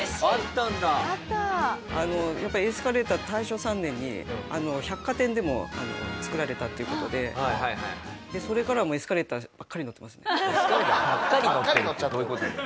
エスカレーター大正３年に百貨店でもう作られたっていう事でそれからはもうエスカレーターばっかり乗ってるってどういう事よ。